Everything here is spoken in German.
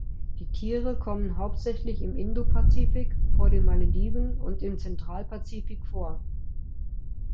Die Tiere kommen hauptsächlich im Indopazifik, vor den Malediven und im Zentralpazifik vor.